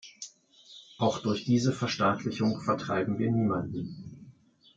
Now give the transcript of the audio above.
Auch durch diese Verstaatlichung vertreiben wir niemanden.